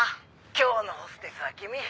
「今日のホステスは君？」